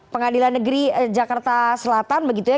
pengadilan negeri jakarta selatan begitu ya